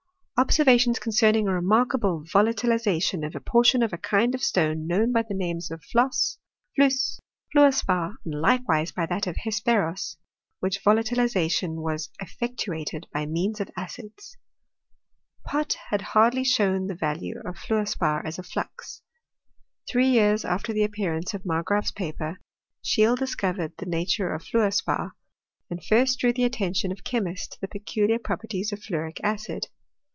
" Observations concerning a remarkable volatiliza tion of a portion of a kind of stone known by the names of flosse, fiusse, fiuor spar, and likewise by that of hesperos: which volatilization was efiectuated by means of acids." Pott had already shown the value of fluor spar as a flux. Three years after the appear ance of Margraaf's paper, Scheele discovered the nature of fluor spar, and first drew the attention of chemists to the peculiar properties of fluoric acid.